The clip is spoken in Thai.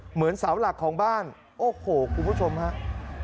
เหมือนเสาหลักของบ้านโอ้โหคุณผู้ชมครับ